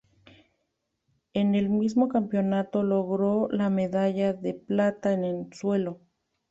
En el mismo campeonato, logró la medalla de plata en suelo.